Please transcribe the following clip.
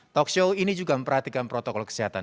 talkshow ini juga memperhatikan protokol kesehatan